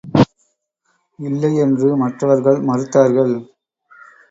இல்லையென்று மற்றவர்கள் மறுத்தார்கள்.